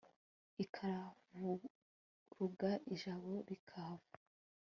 Ikahavurunga ijabo rikahava